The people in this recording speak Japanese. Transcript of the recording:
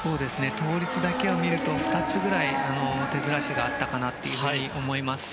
倒立だけを見ると２つぐらい、手ずらしがあったかなと思います。